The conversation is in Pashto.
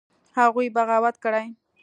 هغوى بغاوت کړى.